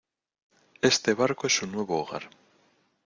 este barco es su nuevo hogar